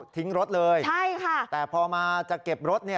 ทิ้งรถเลยใช่ค่ะแต่พอมาจะเก็บรถ